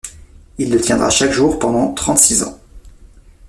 Il le tiendra chaque jour pendant trente-six ans.